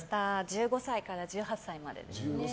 １５歳から１８歳まで。